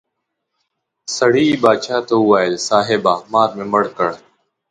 سړي باچا ته وویل صاحبه مار مې مړ کړ.